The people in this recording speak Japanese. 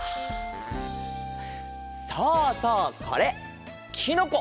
そうそうこれきのこ。